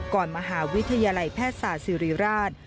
มหาวิทยาลัยแพทยศาสตร์ศิริราช